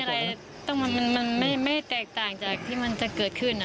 ก็ไม่ได้มีอะไรมันไม่ได้แตกต่างจากที่มันจะเกิดขึ้น